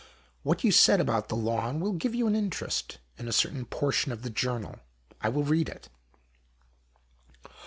What you said about the lawn will give you an interest in a certain portion of the journal. I will read it."